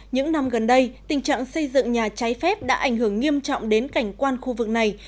những năm gần đây tình trạng xây dựng nhà cháy phép đã ảnh hưởng nghiêm trọng đến cảnh quan khu vực này